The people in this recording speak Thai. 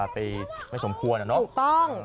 ถูกต้อง